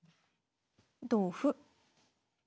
同歩。